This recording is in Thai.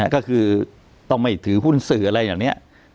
ก็คือต้องไม่ถือหุ้นสื่ออะไรอย่างนี้